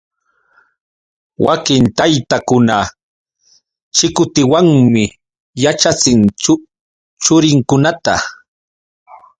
Wakin taytakuna chikutiwanmi yaćhachin churinkunata.